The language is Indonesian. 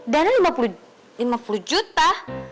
dana lima puluh juta